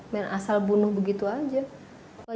main asal bunuh begitu aja